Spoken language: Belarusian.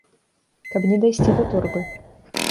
Каб не дайсці да торбы.